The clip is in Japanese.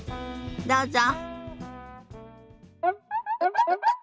どうぞ。